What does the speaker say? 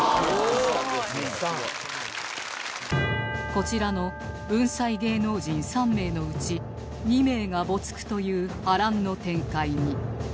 こちらの文才芸能人３名のうち２名が没句という波乱の展開に